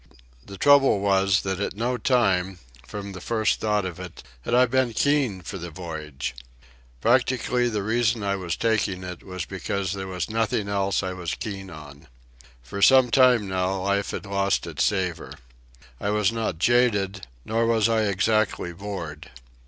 The trouble was that at no time, from the first thought of it, had I been keen for the voyage. Practically the reason I was taking it was because there was nothing else I was keen on. For some time now life had lost its savour. I was not jaded, nor was I exactly bored.